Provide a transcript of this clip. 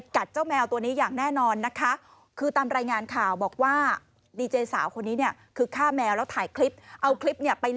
ของบิตคอยน์ถามว่าบิตคอยน์คืออะไร